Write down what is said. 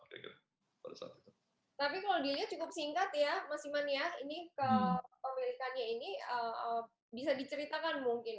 tapi kalau dilihat cukup singkat ya mas iman ya ini kepemilikannya ini bisa diceritakan mungkin